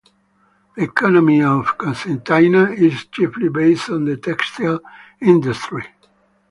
The economy of Cocentaina is chiefly based on the textile industry.